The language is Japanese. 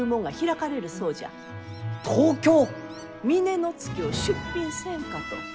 峰乃月を出品せんかと。